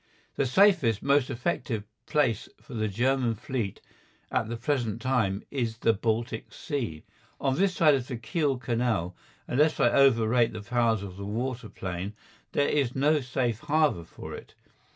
The safest, most effective, place for the German fleet at the present time is the Baltic Sea. On this side of the Kiel Canal, unless I overrate the powers of the water plane, there is no safe harbour for it.